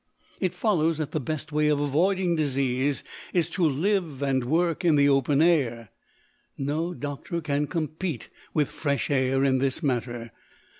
_ It follows that the best way of avoiding disease is to live and work in the open air. No doctor can compete with fresh air in this matter.